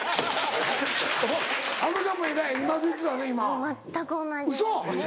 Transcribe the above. もう全く同じですもう。